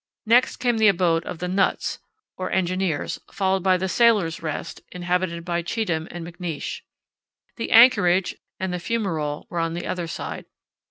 Next came the abode of "The Nuts" or engineers, followed by "The Sailors' Rest," inhabited by Cheetham and McNeish. "The Anchorage" and "The Fumarole" were on the other side.